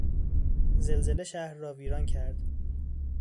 زلزله شهر را ویران کرد.